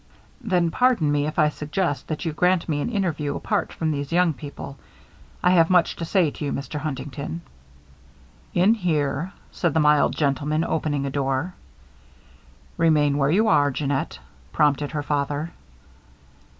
"Then pardon me, if I suggest that you grant me an interview apart from these young people. I have much to say to you, Mr. Huntington." "In here," said the mild gentleman, opening a door. "Remain where you are, Jeannette," prompted her father.